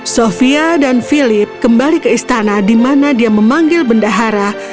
sofia dan philip kembali ke istana di mana dia memanggil bendahara